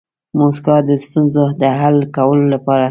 موسکا د ستونزو د حل کولو لپاره